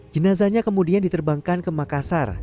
jenazahnya kemudian diterbangkan ke makassar